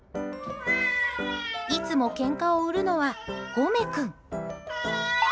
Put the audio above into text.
いつもけんかを売るのはゴメ君。